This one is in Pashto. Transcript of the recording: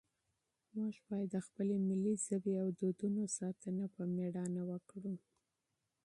موږ باید د خپلې ملي ژبې او دودونو ساتنه په نره وکړو.